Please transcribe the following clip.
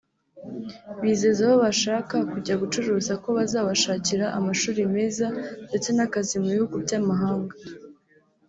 Bizeza abo bashaka kujya gucuruza ko bazabashakira amashuri meza ndetse n’akazi mu bihugu by’amahanga